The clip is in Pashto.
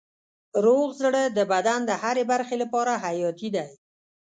روغ زړه د بدن د هرې برخې لپاره حیاتي دی.